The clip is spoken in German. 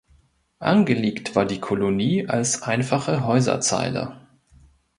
Angelegt war die Kolonie als einfache Häuserzeile.